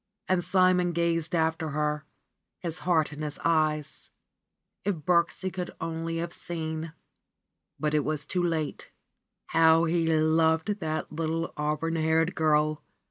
And Simon gazed after her, his heart in his eyes ; if Birksie could only have seen. But it was too late ! How he loved that little auburn haired girl